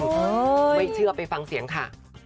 ไม่เชื่อไปฟังเสียงค่ะ